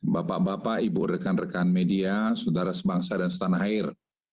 bapak bapak ibu rekan rekan media saudara sebangsa dan setanah air